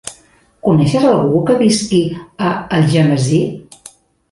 Coneixes algú que visqui a Algemesí?